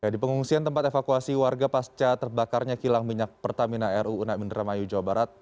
di pengungsian tempat evakuasi warga pasca terbakarnya kilang minyak pertamina ru unak indramayu jawa barat